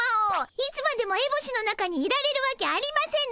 いつまでもえぼしの中にいられるわけありませぬ。